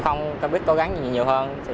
không biết cố gắng gì nhiều hơn